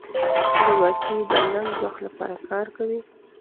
زورواکي د لنډ وخت لپاره کار ورکوي.